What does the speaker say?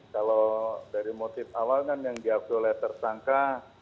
kalau dari motif awal kan yang diaktualisasi tersangka